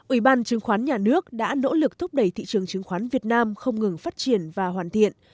ủy ban chứng khoán nhà nước đã nỗ lực thúc đẩy thị trường chứng khoán việt nam không ngừng phát triển và hoàn thiện